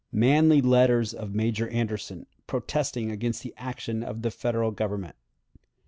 Manly Letter of Major Anderson, protesting against the Action of the Federal Government.